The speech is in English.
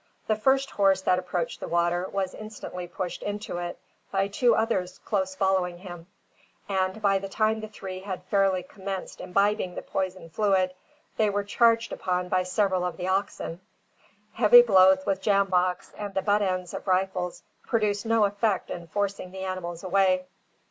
The first horse that approached the water, was instantly pushed into it by two others close following him, and, by the time the three had fairly commenced imbibing the poisoned fluid, they were charged upon by several of the oxen. Heavy blows with jamboks and the butt ends of rifles produced no effect in forcing the animals away.